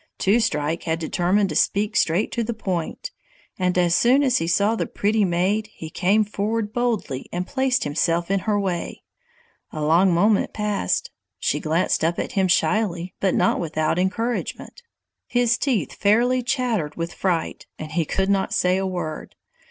Two Strike had determined to speak straight to the point, and as soon as he saw the pretty maid he came forward boldly and placed himself in her way. A long moment passed. She glanced up at him shyly but not without encouragement. His teeth fairly chattered with fright, and he could not say a word.